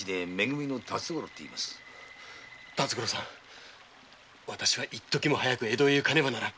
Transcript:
辰五郎さんわたしは一刻も早く江戸へ行かねばならん。